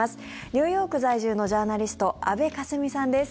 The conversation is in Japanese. ニューヨーク在住のジャーナリスト安部かすみさんです。